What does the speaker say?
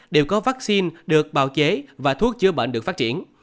đều có vắc xin được bào chế và thuốc chữa bệnh được phát triển